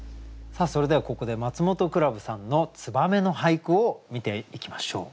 それではここでマツモトクラブさんの「燕」の俳句を見ていきましょう。